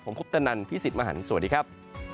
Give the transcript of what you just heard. ผมคุปตะนันพี่สิทธิ์มหันฯสวัสดีครับ